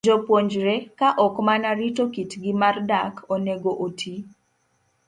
Jopuonjre, ka ok mana rito kitgi mar dak, onego oti